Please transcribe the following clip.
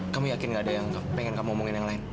kamu yakin gak ada yang pengen kamu omongin yang lain